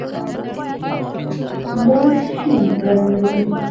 ماش شین رنګ لري.